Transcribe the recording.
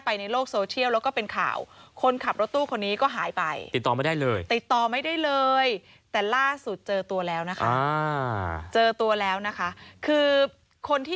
คนที่ขับรถตู้คนนี้ก็หายไป